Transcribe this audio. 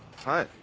はい。